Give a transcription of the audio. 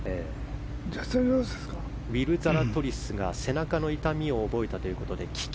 ウィル・ザラトリスが背中を痛めたということで棄権。